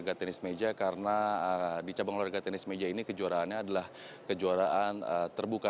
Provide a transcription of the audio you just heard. juga tenis meja karena di cabang olahraga tenis meja ini kejuaraannya adalah kejuaraan terbuka